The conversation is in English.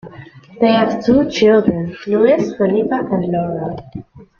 They have two children, Luis Felipe and Laura.